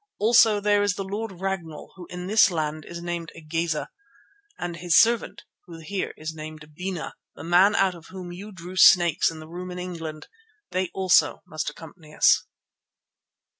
"Also there is the Lord Ragnall, who in this land is named Igeza, and his servant who here is named Bena, the man out of whom you drew snakes in the room in England. They also must accompany us."